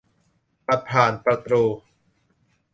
บัตรผ่านประตู